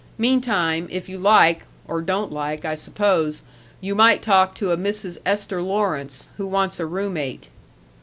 Meantime, if you like or don't like, I suppose you might talk to a Mrs. Esther Lawrence, who wants a room mate."